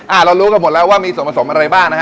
เรารู้กันหมดแล้วว่ามีส่วนผสมอะไรบ้างนะฮะ